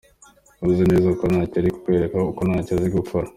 uzi neza ko ntacyo yari kukwereka kuko ntacyo azi gukora.